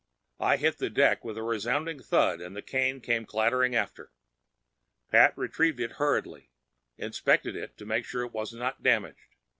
I hit the deck with a resounding thud, and the cane came clattering after. Pat retrieved it hurriedly, inspected it to make sure it was not damaged.